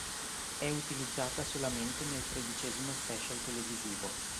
È utilizzata solamente nel tredicesimo special televisivo.